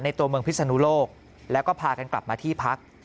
ตัวเมืองพิศนุโลกแล้วก็พากันกลับมาที่พัก